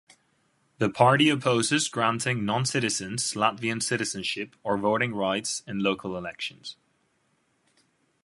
The party opposes granting non-citizens Latvian citizenship or voting rights in local elections.